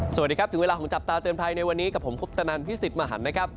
สวัสดีครับถึงเวลาของจับตาเตือนภัยในวันนี้กับผมคุปตนันพิสิทธิ์มหันนะครับ